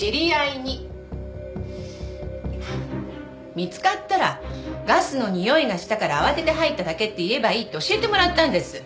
見つかったらガスのにおいがしたから慌てて入っただけって言えばいいって教えてもらったんです。